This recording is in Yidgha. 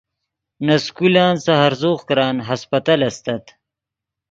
نے سکولن سے ہرزوغ کرن ہسپتل استت